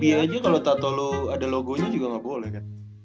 di nba aja kalo tato lo ada logonya juga nggak boleh kan